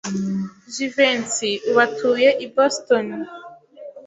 Jivency ubu atuye i Boston.